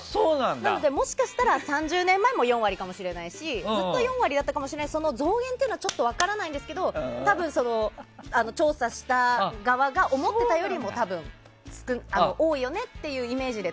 もしかしたら３０年前も４割かもしれないしずっと４割だったかもしれないし増減が分からないんですけど調査した側が思ってたよりも多分、多いよねっていうイメージで。